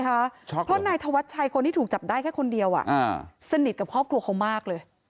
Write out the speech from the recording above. เพราะนายธวัชชัยคนที่ถูกจับได้แค่คนเดียวสนิทกับครอบครัวเขามากเลย